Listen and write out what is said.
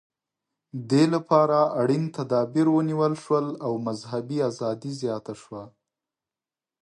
دې لپاره اړین تدابیر ونیول شول او مذهبي ازادي زیاته شوه.